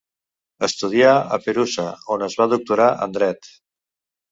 Estudià a Perusa, on es va doctorar en Dret.